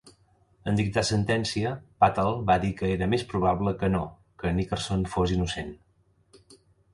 En dictar sentència, Patel va dir que era "més probable que no" que Nickerson fos innocent.